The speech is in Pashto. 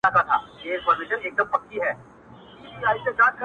• اوښکي ساتمه ستا راتلو ته تر هغې پوري ـ